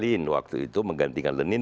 bin waktu itu menggantikan lenin